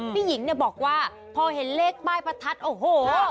พี่หญิงบอกว่าพอเห็นเลขใบประทัดโอ้โห